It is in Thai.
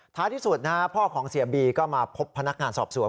ที่สุดพ่อของเสียบีก็มาพบพนักงานสอบสวน